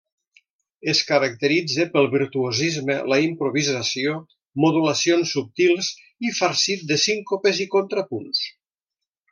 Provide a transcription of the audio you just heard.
Es caracteritza pel virtuosisme, la improvisació, modulacions subtils i farcit de síncopes i contrapunts.